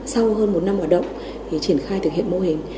sau hơn một năm hoạt động thì triển khai thực hiện mô hình